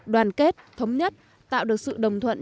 đoàn kết thống nhất tạo được sự đồng thuận